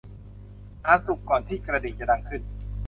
อาหารสุกก่อนที่กระดิ่งจะดังขึ้น